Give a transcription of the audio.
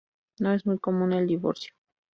No es muy común el divorcio.